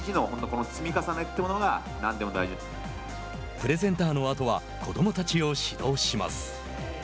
プレゼンターのあとは子どもたちを指導します。